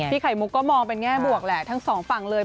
ไข่มุกก็มองเป็นแง่บวกแหละทั้งสองฝั่งเลย